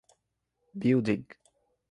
Building.